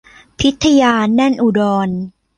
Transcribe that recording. พิทยา แน่นอุดร